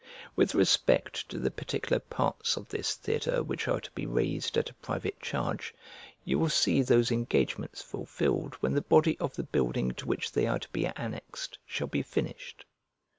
With respect to the particular parts of this theatre which are to be raised at a private charge, you will see those engagements fulfilled when the body of the building to which they are to be annexed shall be finished.